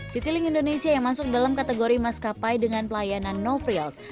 citylink indonesia yang masuk dalam kategori maskapai dengan pelayanan no frills